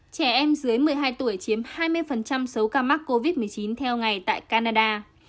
trẻ em dưới một mươi hai tuổi chiếm hai mươi số ca mắc covid một mươi chín theo ngày tại canada